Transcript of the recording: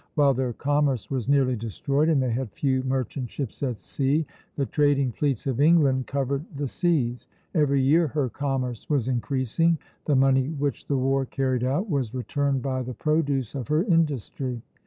While their commerce was nearly destroyed, and they had few merchant ships at sea, the trading fleets of England covered the seas. Every year her commerce was increasing; the money which the war carried out was returned by the produce of her industry.